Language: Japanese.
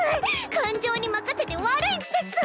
感情に任せて悪い癖っス。